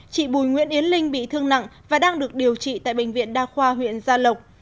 chị bùi nguyễn yến linh bị thương nặng và đang được điều trị tại bệnh viện đa khoa huyện gia lộc